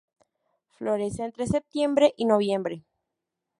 Florece entre septiembre y noviembre.